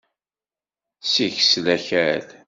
Siksel akal.